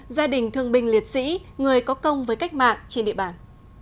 gia đình thương binh liệt sĩ người có công với cách mạng trên địa bàn